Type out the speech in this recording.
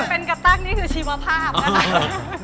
เป็นกระตั้งนี้คือชีวภาพนะครับ